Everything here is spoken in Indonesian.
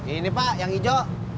ini pak yang hijau